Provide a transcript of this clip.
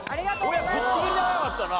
大家ぶっちぎりで早かったな。